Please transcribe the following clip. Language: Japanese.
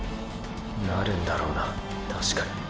なるんだろうな確かに。